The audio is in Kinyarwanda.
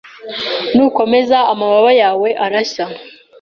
nukomeza amababa yawe arashya,